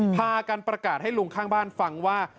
พากันประกาศให้ลุงข้างบ้านฟังว่า